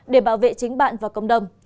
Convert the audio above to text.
để bảo vệ chính bạn và cộng đồng